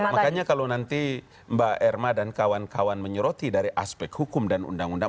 makanya kalau nanti mbak erma dan kawan kawan menyoroti dari aspek hukum dan undang undang